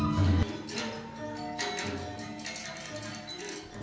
mbak airly itu mirip dengan mimi rasinah jujur dan perut